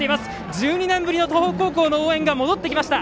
１２年ぶりの東北高校の応援が戻ってきました。